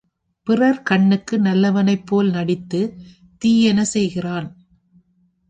பிறர் கண்ணுக்கு நல்லவனைப்போல நடித்துத் தீயன செய்கிறான்.